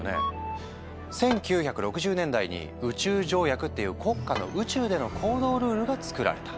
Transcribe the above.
１９６０年代に「宇宙条約」っていう国家の宇宙での行動ルールが作られた。